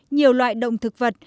nhiều loại động thực vật